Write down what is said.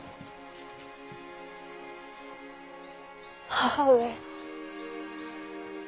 母上。